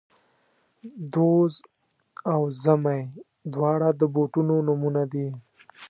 دوز او زمۍ، دواړه د بوټو نومونه دي